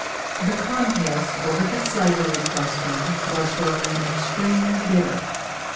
The contest over the slavery question was growing extremely bitter.